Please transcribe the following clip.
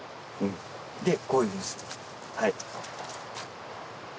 でこういうふうにする。